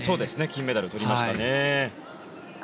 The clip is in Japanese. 金メダル取りましたね。